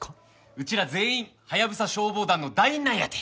うちら全員ハヤブサ消防団の団員なんやて。